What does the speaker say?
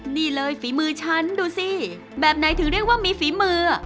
นี่เลยฝีมือฉันดูสิแบบไหนถึงเรียกว่ามีฝีมือ